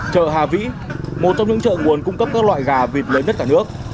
chợ hà vĩ một trong những chợ nguồn cung cấp các loại gà vịt lớn nhất cả nước